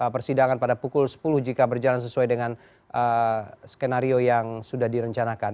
persidangan pada pukul sepuluh jika berjalan sesuai dengan skenario yang sudah direncanakan